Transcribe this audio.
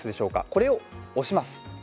これを押します。